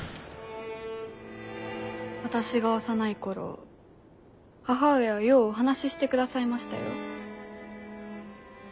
私が幼い頃母上はようお話ししてくださいましたよ。